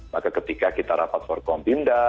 maka ketika kita rapat for kompimda